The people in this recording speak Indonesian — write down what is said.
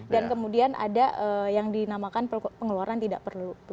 dan kemudian ada yang dinamakan pengeluaran tidak perlu